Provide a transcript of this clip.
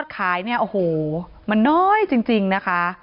ยอดขายเนี่ยโอ้โหน้ยจริงนะคะ